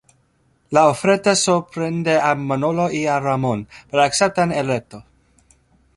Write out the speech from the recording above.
La oferta sorprende a Manolo y a Ramón, pero aceptan el reto.